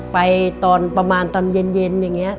ตอนประมาณตอนเย็นอย่างนี้